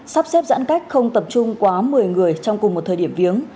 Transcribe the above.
sắp xếp giãn cách không tập trung quá một mươi người trong cùng một thời điểm viếng